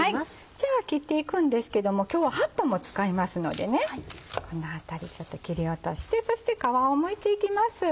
じゃあ切っていくんですけども今日は葉っぱも使いますのでこの辺りちょっと切り落としてそして皮をむいていきます。